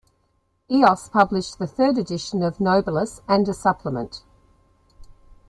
Eos published the third edition of Nobilis and a supplement.